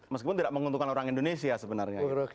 meskipun tidak menguntungkan orang indonesia sebenarnya